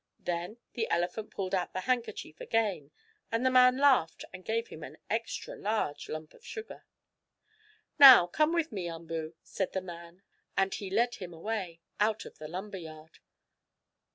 Then the elephant pulled out the handkerchief again, and the man laughed and gave him a extra large lump of sugar. "Now come with me, Umboo," said the man, and he led him away, out of the lumber yard.